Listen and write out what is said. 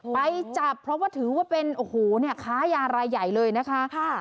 ไปจับเพราะว่าถือว่าเป็นข้ายาลายใหญ่เลยนะคะ